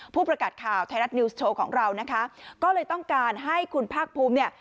ผู้ประกาศข่าวไทยรัฐนิวส์โชว์ของเรานะคะก็เลยต้องการให้คุณภาคภูมิเนี่ย